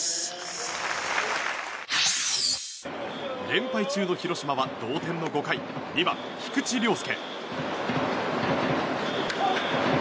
連敗中の広島は同点の５回２番、菊池涼介。